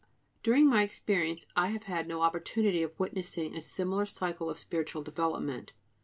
During my experience I have had no opportunity of witnessing a similar cycle of spiritual development.